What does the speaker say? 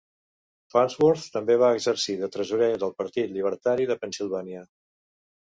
Farnsworth també va exercir de tresorer del Partit Llibertari de Pennsilvània.